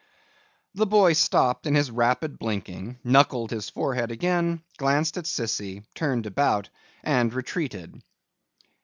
The boy stopped in his rapid blinking, knuckled his forehead again, glanced at Sissy, turned about, and retreated.